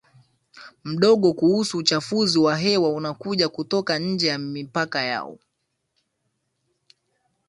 mdogo kuhusu uchafuzi wa hewa unaokuja kutoka nje ya mipaka yao